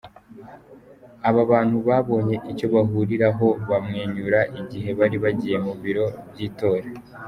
Aba bantu babonye icyo bahuriraho bamwenyura igihe bari bagiye ku biro by'itora.